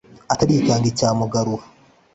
atarikanga icya mugarura